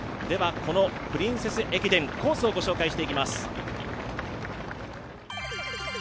プリンセス駅伝のコースをご紹介していきます。